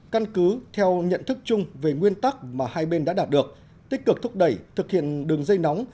căn cứ theo nhận thức chung về nguyên tắc mà hai bên đã đạt được tích cực thúc đẩy thực hiện đường dây nóng